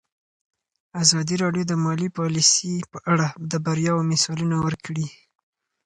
ازادي راډیو د مالي پالیسي په اړه د بریاوو مثالونه ورکړي.